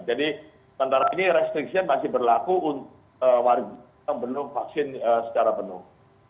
jadi antara ini restriksi yang masih berlaku untuk wajib membenuh vaksin secara penuh